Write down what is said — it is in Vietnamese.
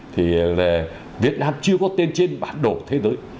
thì việt nam chưa có tên trên bản đồ thế giới